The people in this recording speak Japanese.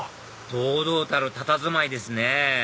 堂々たるたたずまいですね